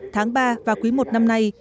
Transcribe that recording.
tháng ba và quý một năm nay